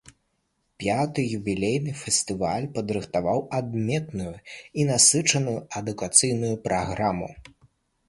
Пяты, юбілейны, фестываль падрыхтаваў адметную і насычаную адукацыйную праграму.